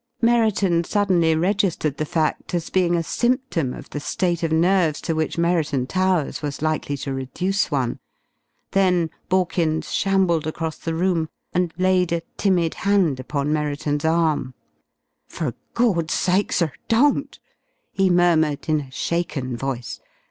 Merriton suddenly registered the fact as being a symptom of the state of nerves which Merriton Towers was likely to reduce one. Then Borkins shambled across the room and laid a timid hand upon Merriton's arm. "For Gawd's sake sir don't!" he murmured in a shaken voice.